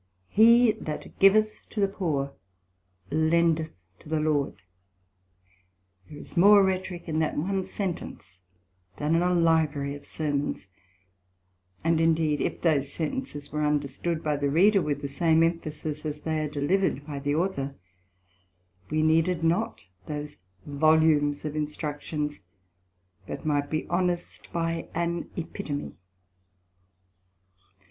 He that giveth to the poor, lendeth to the Lord; there is more Rhetorick in that one sentence, than in a Library of Sermons; and indeed if those Sentences were understood by the Reader, with the same Emphasis as they are delivered by the Author, we needed not those Volumes of instructions, but might be honest by an Epitome.